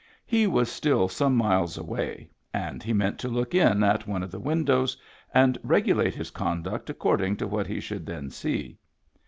He was still some miles away, and he meant to look in at one of the win dows, and regulate his conduct according to what he should then see.